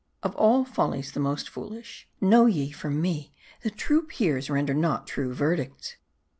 " Of all follies the most foolish ! Know ye from me, that true peers render not true verdicts.